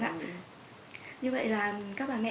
như vậy là các bà mẹ